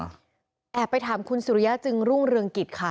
อาแผดไปถามคุณสิริยาจะ้หรูลงเรืองกิทย์ค่ะ